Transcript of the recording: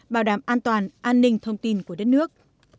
bảo đảm an toàn an ninh thông tin của đất nước